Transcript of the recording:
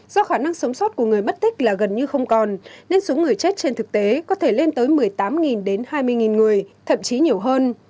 do khả năng sống sót của người mất tích là gần như không còn nên số người chết trên thực tế có thể lên tới một mươi tám đến hai mươi người thậm chí nhiều hơn